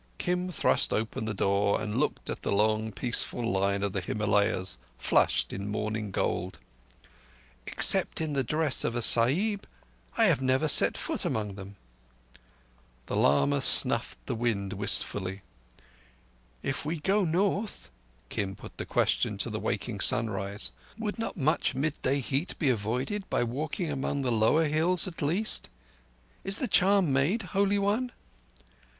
Kim thrust open the door and looked at the long, peaceful line of the Himalayas flushed in morning gold. "Except in the dress of a Sahib, I have never set foot among them." The lama snuffed the wind wistfully. "If we go North,"—Kim put the question to the waking sunrise—"would not much mid day heat be avoided by walking among the lower hills at least? ... Is the charm made, Holy One?"